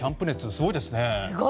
すごいですね。